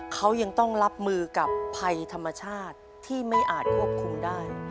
เขายังต้องรับมือกับภัยธรรมชาติที่ไม่อาจควบคุมได้